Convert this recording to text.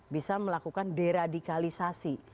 bisa melakukan deradikalisasi